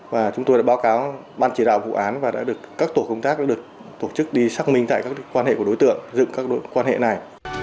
và chúng tôi đã báo cáo ban chỉ đạo vụ án và đã được các tổ công tác được tổ chức đi xác minh tại các quan hệ của đối tượng dựng các quan hệ này